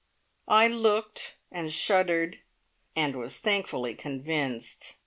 I looked, and shuddered, and was thankfully convinced.